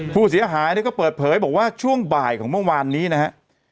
ผู้เสียหายเนี่ยก็เปิดเผยบอกว่าช่วงบ่ายของเมื่อวานนี้นะฮะ